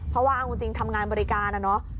เพราะว่าเอาจริงทำงานบริการนะเนอะ